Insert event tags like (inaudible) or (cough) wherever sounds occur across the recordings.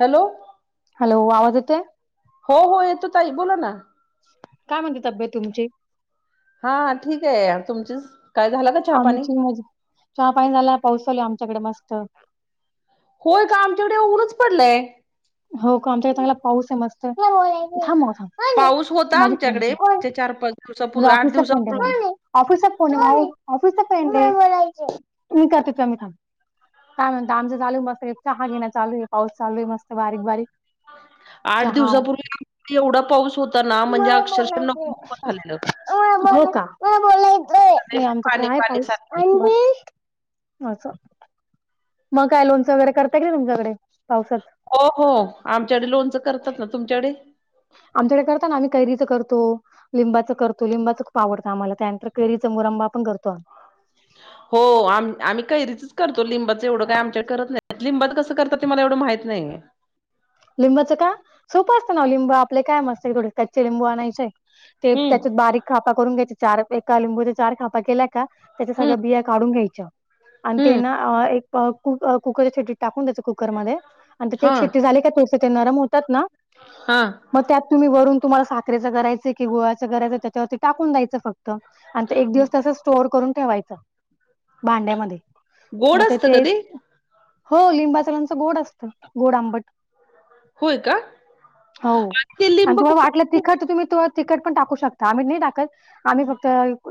Hello. Hello, आवाज येतोय? हो हो येतो ताई बोला ना. काय म्हणते तब्येत तुमची? हा ठीक आहे तुमचीच. काय झालं का चहा पाणी आमची मजा, चहा पाणी झालं. पाऊस चालू आहे आमच्याकडे मस्त. होय का? आमच्याकडे ऊनच पडलंय. हो का आमच्याकडे चांगला पाऊस आहे मस्त. थांब थांब. पाऊस होता माझी फ्रेंड आमच्याकडे आहे. मागच्या चार पाच माझी दिवसापूर्वी आठ ऑफिसचा फ्रेंड दिवसापूर्वी आहे (unintelligible) ऑफिस ऑफिसचा फ्रेंड आहे मी करते थांब. काय म्हणता, आमच चालू मस्त चहा घेणं चालू आहे पाऊस चालू आहे मस्त बारीक बारीक. आठ चहा दिवसापूर्वी एवढा पाऊस होता ना म्हणजे मला अक्षरशः नको बोलायचंय नको झालेलं. हो का? नाही पाणी आमच्याकडे आहे पाणी पाऊस. साठलेलं असं, मग काय लोणंच वगैरे करताय की तुमच्याकडे पावसात. हो हो आमच्याकडे लोणचं करतात ना. तुमच्याकडे? आमच्याकडे करता ना आम्ही कैरीच करतो. लिंबाच करतो लिंबाचं खूप आवडं आम्हाला. त्यानंतर कैरीचा मुरंबा पण करतो आम्ही. हो आम-आम्ही कैरीचच करतो लिंबाच एवढं काय आमच्या करत नाही. लिंबाचं कसं करतात ते मला एवढं माहीत नाहीय. लिंबाचं का? सोपं असतं ना लिंब आपले काय मस्त आहे थोडे कच्चे लिंबू आणायचे. ते हम्म त्याच्यात बारीक खापा करून घ्यायचे चार एका लिंबूच्या चार खापा केल्या का त्याच्या हम्म सगळ्या बिया काढून घ्यायच्या आणि ते हम्म ना एक कु- कुकरच्या शेट्टीत टाकून द्याय कुकरमध्ये आणि ते हा एक शिट्टी झाली का त्याचे ते नरम होतात ना. हा. मग त्यात तुम्ही वरून तुम्हाला साखरेचं करायंच हाय की गुळाच कराययं, त्याच्यावर ते टाकून द्यायचं फक्त. आणि तो एक दिवस तसंच स्टोर करून ठेवायचं भांड्यामध्ये. गोड मग ते असतं का तेच हो लिंबाच लोणचं गोड असत गोड आंबट. होय का? हो ते आणि लिंब तुम्हाला वाटलं कुकर तिखट तुम्ही तवा तिखट पण टाकू शकता, आम्ही नाही टाकत. आम्ही फक्त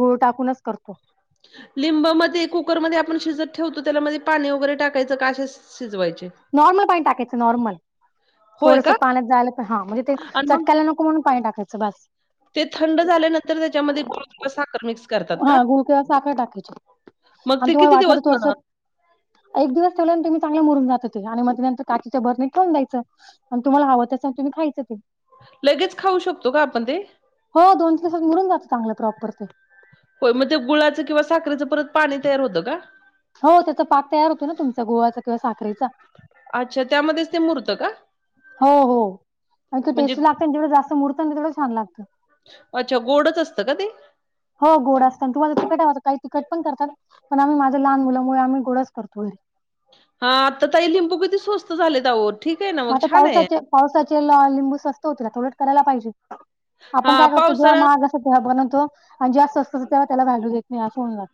गुळ टाकूनच करतो. लिंबमध्ये कुकरमध्ये आपण शिजत ठेवतो त्यामध्ये पाणी वगैरे टाकायचं का असेच? शिजवायचे. नॉर्मल पाणी टाकायचं नॉर्मल. होय थोडंसं का? पाण्यात जायला तर हा म्हणजे ते आणि मग चटकायला नक (unintelligible) पाणी टाकायचं बसं. ते थंड झाल्यानंतर त्याच्यामध्ये किंवा साखर मिक्स करतात हा का? गुळ किंवा साखर टाकायची. मग ते आणि किती तुम्हाला वाटलं दिवस तर थोडसं. अ, एक दिवस ठेवल्यानंतर मी चांगल्या मुरून जात ते आणि मध्ये नंतर काचेच्या बरणीत ठेवून जायचं. आणि तुम्हाला हवं तसं तुम्ही खायच ते. लगेच खाऊ शकतो का आपण ते? हो दोन तीन दिवसात मुरून जातं चांगलं प्रॉपर ते. होय. मग ते गुळाचं किंवा साखरेचं परत पाणी तयार होतं का? हो त्याचा पाक तयार होतो ना तुमचा गुळाचा किंवा साखरेचा. अच्छा त्यामध्येच ते मुरतं का? हो हो, परंतु म्हणजे टेस्टी लागते जेवढं जास्त मुरत ना तेवढं छान लागतं. अच्छा गोडच असतं का ते? हो गोड असतं तुम्हाला तिखट हवं काही तिकट पण करतात, पण आम्ही माझ्या लहान मुलामुळे आम्ही गोडच करतो घरी. हा आता तरी लिंबू किती स्वस्त झाले अवो. मग आता पावसाचे पावसाचे आ लिंबू स्वस्त होतात उलट करायला पाहिजे. आपण हां काय करतो जेव्हा पावसाळा महाग असतं तेव्हा बनवतो आणि जेव्हा स्वस्त असतं तेव्हा त्याला व्हॅल्यू देत नाही, असं होऊन जात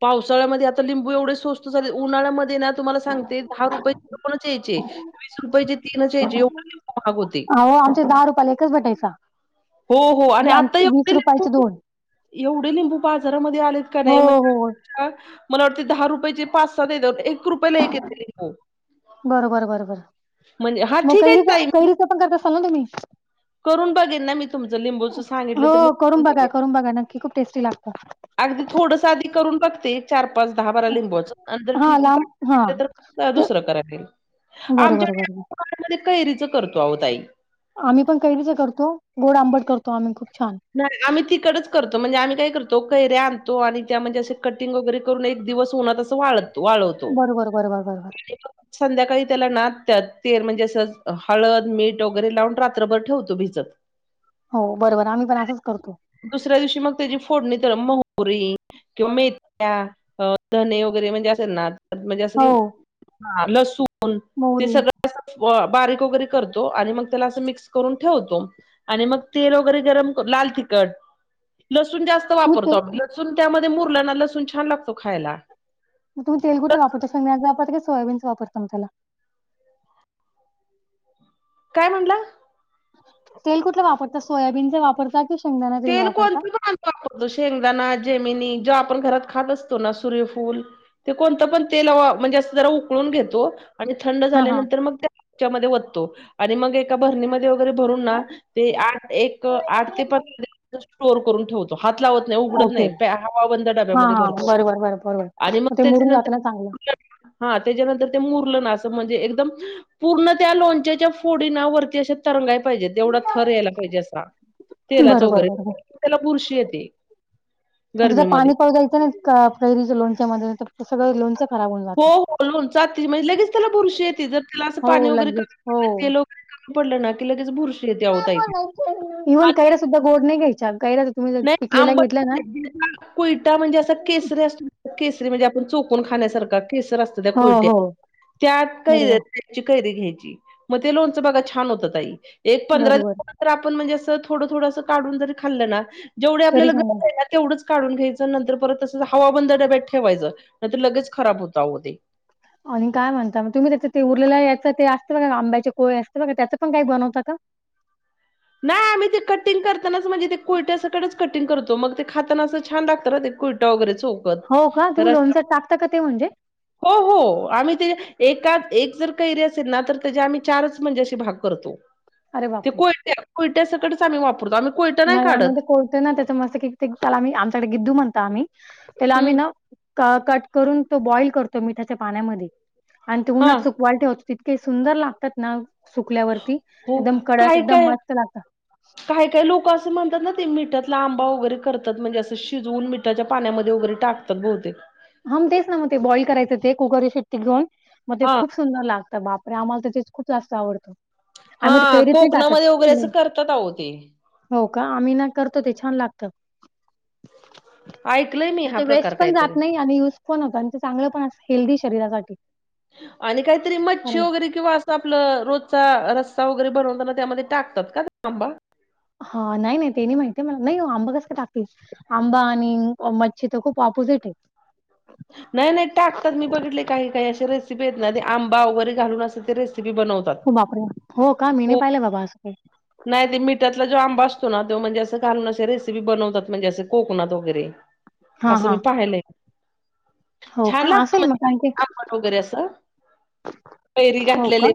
पावसाळ्यामध्ये आता लिंबू एवढे स्वस्त झालेत, उन्हाळ्यामध्ये ना. तुम्हाला सांगते दहा रुपयाचे दोनच यायचे, वीस रुपयाचे तीनच यायचे, एवढ लिंबू महाग होते. अहो आमचे दहा रुपयाला एक. एकच भेटायचा. हो हो आणि आता एवढे वीस रुपयाचे लिंबू दोन. एवढे लिंबू बाजारामध्ये आलेत का हो नाही म हो मला वाटते दहा रुपयाेची पाच सहा देतात, एक रुपयेला एक येते लिंबू. बरं बरं बरं बरं. म्हणजे हा मग ठीक आहे ताई कैरीच-कैरीच पण करत असाल ना तुम्ही? करून बघेन ना मी तुमचं लिंबूचं हो सांगितलं तर मी करून बघा बघेन. करून बघा, नक्की खूप टेस्टी लागत अगदी थोडसं आधी करून बघते. चार पाच दहा बारा लिंबूच आणि जर हा ठीक ठीक लांब हा वाटलं तर दुसरं करायला घेईन. बरं बरं बरं बर. आम्ही म्हणे कैरीच करतो अहो ताई. आम्ही पण कैरीचं करतो, गोड आंबट करतो आम्ही खूप छान. नाही आम्ही तिखटच करतो म्हणजे आम्ही काय करतो कैऱ्या आणतो आणि त्या म्हणजे असे कटिंग वगैरे. करून एक दिवस उन्हात असं वाळत-वाळवतो. बरोबर बरोबर बरोबर संध्याकाळी त्याला नादत्यात तेल म्हणजे असं हळद मीठ वगैरे लावून रात्रभर ठेवतो भिजत. हो बरोबर आम्ही पण असंच करतो. दुसऱ्या दिवशी मग त्याची फोडणी तर मोहरी. किंवा मेथ्या, धणे वगैरे म्हणजे असेल ना म्हणजे हो असं लसुन ते मोहरी सगळ बारीक वगैरे करतो आणि मग त्याला असं मिक्स करून ठेवतो. आणि मग तेल वगैरे गरम कर, लाल तिखट लसूण जास्त तुम्ही वापरतो तेल आपलं लसुन त्यामध्ये मुरला ना लसुन छान लागतो खायला मग तुम्ही तेल कुठलं वापरता? शेंगदाण्याचं वापरता का सोयाबीनच वापरता मग त्याला? काय म्हणला? तेल कुठलं वापरता? सोयाबीनच वापरता कि तेल कोणतंच भा वापरतो, शेंगदाणा जेमिनी जो आपण घरात खात असतो ना सूर्यफूल ते कोणतं पण तेल अव म्हणजे असं जरा उकळून घेतो आणि थंड हां हां झाल्यानंतर मग त्या. च्या मध्ये ओततो आणि मग एका बरणीमध्ये वगैरे भरून ना. ते आठ एक आठ ते प कुछ स्टोर करून ठेवतो. तो हात लावत नाही, उघडत ओके नाही. हवा बंद हां डब्यामध्ये हां भरतो बरोबर बरोबर बरोबर आणि मग ते मुरून जातं त्याच्यानंतर ना चांगलं हा त्याच्यानंतर ते मुरलं ना असं म्हणजे एकदम पूर्ण त्या लोणच्याच्या फोडी ना वरती अशा तरंगाय पाहिजेत, एवढा थर यायला पाहिजे असा. बरं तेलाचा बरं वगैरे. बरं बरं त्याला बुरशी येते आणि तिथं गरमीमध्ये. पाणी पळयचं ना का कैरीच्या लोनच्या मध्ये तर सगळं लोनच. हो हो लोणचं आतीच म्हणजे लगेच त्याला बुरशी येते, जर तीला असं पाणी हो वगैरे कमी लगेच पडलं हो तेल काय कमी पडलं ना, की लगेच बुरशीे येते अहो हा ताई ते इव्हन कैरा सुद्धा गोड नाही घ्यायच्या कैरा नाही आंबट. (unintelligible) कुयटा म्हणजे असं केसरी असतो केसरीे म्हणजे आपण चोकून खाण्यासारखा केसर असतं. त्या हो कुलट्या हो त्यात बरोबर (unintelligible) कच्छी कैरी घ्यायची, मग ते लोनचं बघा छान होतं ताई. एक पंधरा दि बरोबर तर आपण म्हणजे असं थोडं थोडं असं काढून जरी खाल्ल ना, जेवढे तरी आपल्याला छान गरज आहे ना तेवढंच काढून घ्यायचं, नंतर परत तसंच हवा बंद डब्यात ठेवायचं. नाहीतर लगेच खराब होतं अहो ते. आणि काय म्हणता मग तुम्ही त्याच ते उरलेल्या याचं ते असते बघ आंब्याचे कोय असते बघा, त्याचं पण काही बनवता का? नाही आम्ही ते कटिंग करतानाच म्हणजे, ते कोयट्या सकडेच कटिंग करतो मग ते खाताना असं छान लागतं ना ते कोय (unintelligible) हो का तुम्ही लोणचं टाकता का ते म्हणजे? हो हो आम्ही ते एकाच एक जर कैरी असेल ना, तर त्याचे आम्ही चारच म्हणजे अशे भाग करतो. अरे ते बापरे कोयट्या-कोयट्या सकटच आम्ही वापरतो. आम्ही कोयटा नाही काढत. (unintelligible) ना त्याचं मस्त पैकी त्याला आम्ही आमच्याकडे गिद्दू म्हणतो आम्ही त्याला आम्ही हम्म ना क-कट करून तो बॉईल करतो मिठाच्या पाण्यामध्ये आणि ते हा उन्हात सुक वाल ठेवातो तितके सुंदर लागतात ना सुकल्यावरती एकदम कडक, एकदम मस्त लागतं. काही काही लोकं अस म्हणतात ना, ते मिठातलं आंबा वगैरे करतात म्हणजे असं शिजवून मिठ मिठाच्या पाण्यामध्ये वगैरे टाकतात बहुतेक. हम तेच ना मग ते बॉईल करायचं ते कुकरची शिट्टी घेऊ मग ते हा खूप सुंदर लागते बापरे आम्हाला त्याच्याचे खूप जास्त आवडतो. हा कोकणामध्ये वगैरे असं करतात आहो ते. हो का आम्ही ना करतो ते छान लागतं. ऐकलंय मी आणि हा ते प्रकार वेस्ट पण जात काहीतरी नाही आणि युज पण होत आणि ते चांगलं पण आस हेल्दी शरीरासाठी. आणि काहीतरी मच्छी कारण वगैरे किंवा असं आपलं रोजचा रस्सा वगैरे बनवताना त्यामध्ये टाकतात का आंबा. हा. नाही नाही ते नाही माहिती मला. नाही ओ आंबा कसं काय टाकतील. आंबा आणि मच्छी तर खूप ऑपोजिट आहे. नाही नाही टाकतात मी बघितलंय. काही काही असे रेसिपी आहेत ना आंबा वगैरे घालून असे ते रेसिपी बनवतात. बापरे, हो का? मी नाही पाहिले बाबा अस काही. नाही ते मिठातला जो आंबा असतो ना, तो म्हणजे असं घालून अशी रेसिपी बनवतात म्हणजे असं कोकणात वगैरे. हां, असं मी हां. पाहीलंय. हो छान का? लागत असेल मग कारण की आंबट वगैरे असं कैरी हो का? घातलेली.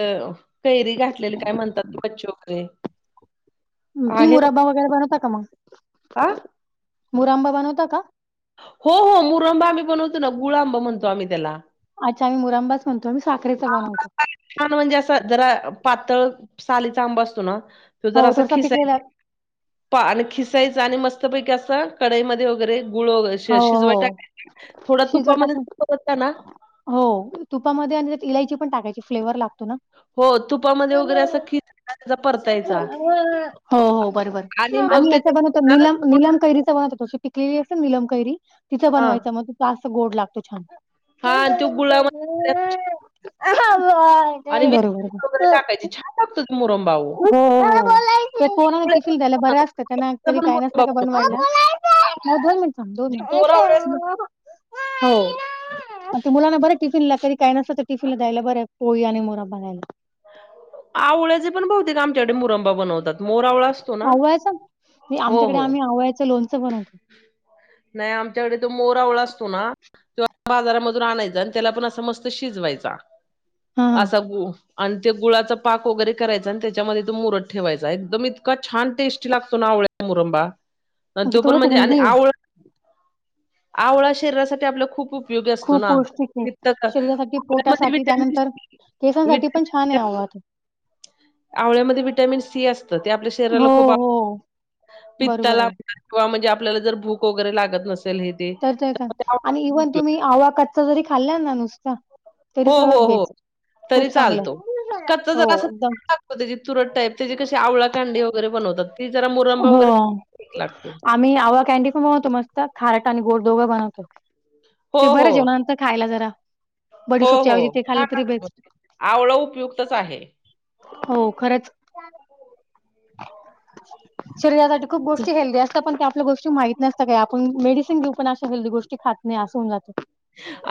कैरी घातलेली काय म्हणतात कच्चे वगैरे ती आहे मुरांबा वगैरे बनवता का मग, बघा मुरंबा बनवता का? हो हो मुरंबा आम्ही बनवतो ना, गुळंबा म्हणतो आम्ही त्याला. अच्छा मी मुरांबा म्हणतो मी साखरेचा बनवतो. छान म्हणजे असं जरा पातळ सालीचा आंब असतो ना तो हो, जर असा थोडासा पिकलेला खिसायचा पा आणि खिसायच आणि मस्त पैकी असं कढईमध्ये वगैरे. गुळ वगैरे हो, शिज-शिजवाय हो. टाकायचं. थोडा शिजवत तुपामध्ये टाकून परतलं ना हो तुपामध्ये आणि त्यात इलायची पण टाकायची, फ्लेवर लागतो ना. हो तुपामध्ये वगैरे असं खिसायचा त्याचा परतायचा हो हो बरोबर. आणि मग आम्ही याच बनवतो. त्याच्या निल-निलम कैरीचा बनवतो. तो पिकलेली असते ना निलम कैरी तिच हा बनवायचं, मग ते जास्त गोड लागतो छान. हा आणि तो गुळामध्ये (unintelligible) बर बर बर. (unintelligible) मुरम खुप कोणाला टिफिल द्यायला बऱ्या त्याचा असतं, त्यांना कधी पण काही मुरंबा नसल्या का बनवतात बनवायला. बघ. थांब दोन जे मिनिटं मोरावळे असतात हो. ते मुलांना बरं टिफिनला कधी काही नसलं, तर टिफिनला द्यायला बरे आहे पोळी आणि मुरंबा खायला. आवळ्याचे पण बहुतेक आमच्याकडे मुरंबा बनवतात. मोर आवळा आवळ्याच नाही आमच्याकडे आम्ही आवळ्याचं लोणचं बनवतो. नाही आमच्याकडे तो मोर आवळा असतो ना (unintelligible) बाजारामधून आणायचा आणि त्याला पण असं मस्त शिजवायचा. हा हा असा गु आणि त्या गुळाचा पाक वगैरे करायचा आणि त्याच्यामध्ये तो मुरत ठेवायचा. एकदम इतका छान टेस्टी लागतो ना आवळ्या मुरंबा. तो ते पण उलट म्हणजे आणि हेल्दी आहे आवळा, आवळा शरीरासाठी आपल्या खूप उपयोगी असतो खूप ना. पौष्टिक आहे. पित्त क शरीरासाठी, आवळ्यामध्ये पोटासाठी व्हिटॅमिन त्यानंतर सी केसांसाठी पण व्हिटॅमिन छान सी आहे असतं. आवळा त्यो. आवळ्यामध्ये विटॅमिन सी असतं‌. ते आपल्या शरीराला हो खूप हो (unintelligible) बरोबर पित्ताला आहे किंवा म्हणजे आपल्याला जर भूक वगैरे लागत नसेल हे तर ते मग त्या आणि आवळ्याचा खूप इव्हन उपयोग तुम्ही, आवळा कच्चा जरी खाल्ल्या ना नुसतं. तरी हो, हो, सर्वात हो बेस्ट, तरी खूप चांगलं. चालतो. कच्चा हो जरा असं एकदम तिखट लागतो त्याची तुरट टाईप त्याची कशी आवळा कांडी वगैरे बनवतात. ती जरा मुरंबा हो. वगैरे ठीक लागतो. आत आम्ही आवळा कॅनडी पण बनवतो. मस्त खारट आणि गोड दोघं बनवतो, हो, ते बरे हो, जेवना नंतर. खायला जरा, हो बडीशोपच्या हो. ऐवजी ते खाल्लं तरी बेस्ट आवळा उपयुक्तच आहे. हो खरंच. (unintelligible) खप गोष्ट हेल्दी असतं, पण ते आपल्या गोष्टी माहीत नसतं काही. आपण मेडिसन घेऊ पण अशी हेल्दी गोष्टी खात नाही, असं होऊन जातं.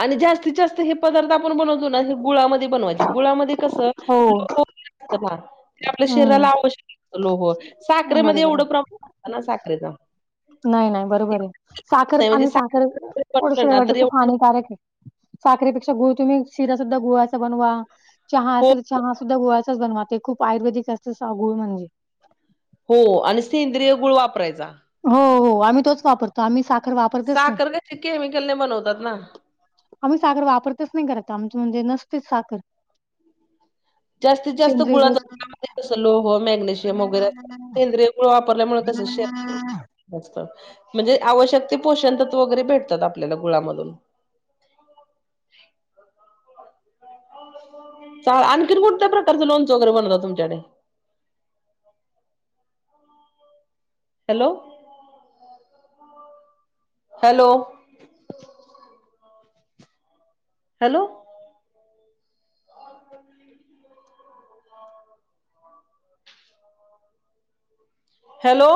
आणि जास्तीत जास्त हे. पदार्थ आपण बनवतो ना ते गुळामध्ये बनवायचे. गुळामध्ये कसं हो लो (unintelligible) असत ना. ते आपल्या शरीराला हम्म आवश्यक असतं लोह. साखरेमध्ये बरोबर एवढं आहे प्रमाण असते ना साखरेचं नाही नाही बरोबर आहे, साखर म्हणजे आणि साखर बनवलं ना तर (unintelligible) खूप एवढं हानिकारक आहे. साखरे पेक्षा गुळ तुम्ही शिरा सुद्धा गुळाचा बनवा चहा हो असेल चहा सुद्धा गुळाचाच बनवा ते, खूप आयुर्वेदिक असतील गुळ म्हणजे. हो आणि सेंद्रिय गुळ वापरायचा. हो हो. आम्ही तोच वापर तर आम्ही साखर वाप साखर कशी केमिकलने बनवतात ना. आम्ही साखर वापरतच नाही घरात आमच्या म्हणजे नसतेच साखर. जास्तीत जास्त गुळाचा त्यामध्ये (unintelligible) लोह मॅग्नेशियम वगैरे सेंद्रिय गुळ वापरल्यामुळे कसं श त म्हणजे आवश्यक ते, पोषण तत्व वगैरे भेटतात आपल्याला गुळामधून. आणखी कोणत्या प्रकारचं लोणचं वगैरे बनवतात तुमच्याकडे? हॅलो. Hello, hello. (unintelligible) हॅलो.